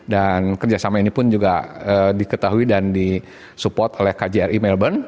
dan kerjasama ini pun juga diketahui dan disupport oleh kjri melbourne